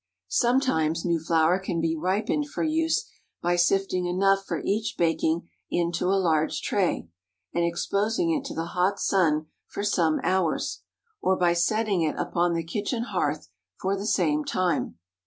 Sometimes new flour can be ripened for use by sifting enough for each baking into a large tray, and exposing it to the hot sun for some hours, or by setting it upon the kitchen hearth for the same time.